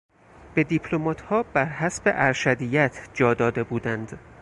به دیپلماتها برحسب ارشدیت جا داده بودند.